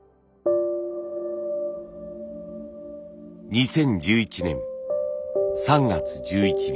２０１１年３月１１日。